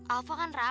alva kan rapat